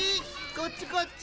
こっちこっち！